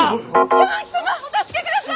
八巻様お助けください！